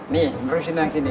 nih berusinan sini